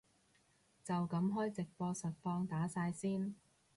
就噉開直播實況打晒先